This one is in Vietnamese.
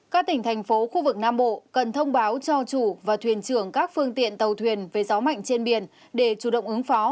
các tỉnh thành phố khu vực nam bộ cần thông báo cho chủ và thuyền trưởng các phương tiện tàu thuyền với gió mạnh trên biển để chủ động ứng phó